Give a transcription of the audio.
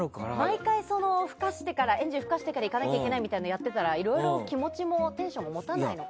毎回、エンジンをふかしてから行かないといけないみたいなことやってたらいろいろ気持ちも、テンションも持たないのか。